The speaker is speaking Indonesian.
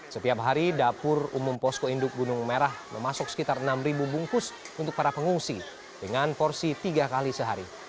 setiap hari dapur umum posko induk gunung merah memasuk sekitar enam bungkus untuk para pengungsi dengan porsi tiga kali sehari